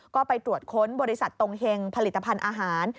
ก็ไปตรวจค้นบริษัทตรงเฮงผลิตภัณฑ์อาหาร